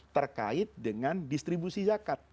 terkait dengan distribusi zakat